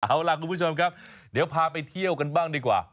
เอาล่ะคุณผู้ชมครับเดี๋ยวพาไปเที่ยวกันบ้างดีกว่า